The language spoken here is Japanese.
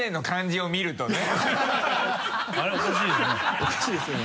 おかしいですね。